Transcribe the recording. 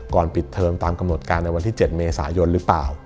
ปิดเทอมตามกำหนดการในวันที่๗เมษายนหรือเปล่า